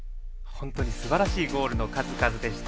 本当にすばらしいゴールの数々でした。